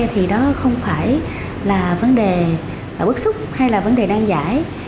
thì đó không phải là vấn đề bức xúc hay là vấn đề nan giải